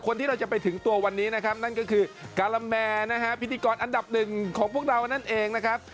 คนที่เราจะไปถึงตัววันนี้นะครับนั่นก็คือการาแมร์นะฮะพิธีกรอันดับหนึ่งของพวกเรานั่นเองนะครับ